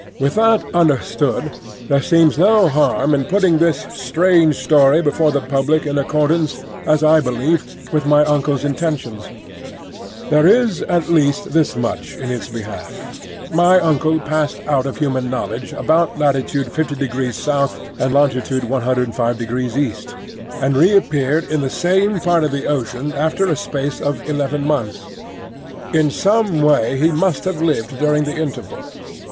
With that understood, there seems no harm in putting this strange story before the public in accordance, as I believe, with my uncle's intentions. There is at least this much in its behalf: my uncle passed out of human knowledge about latitude 5° S. and longitude 105° E., and reappeared in the same part of the ocean after a space of eleven months. In some way he must have lived during the interval.